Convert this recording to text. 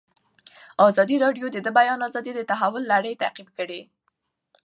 ازادي راډیو د د بیان آزادي د تحول لړۍ تعقیب کړې.